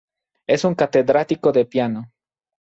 Es un catedrático de piano.